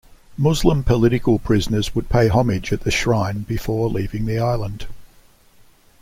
Muslim political prisoners would pay homage at the shrine before leaving the island.